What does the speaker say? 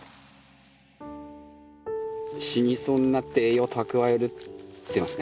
死にそうになって栄養蓄えてますね